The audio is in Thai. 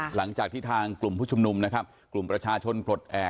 หลังจากที่ทางกลุ่มผู้ชุมนุมนะครับกลุ่มประชาชนปลดแอบ